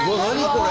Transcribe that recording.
これ。